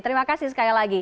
terima kasih sekali lagi